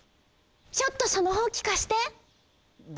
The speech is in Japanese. ちょっとそのほうきかして。